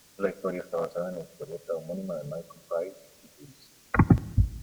La historia está basada en la historieta homónima de Michael Fry y T. Lewis.